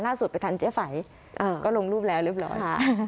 ไปทันเจ๊ไฝก็ลงรูปแล้วเรียบร้อย